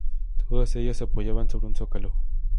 Todas ellas se apoyaban sobre un zócalo.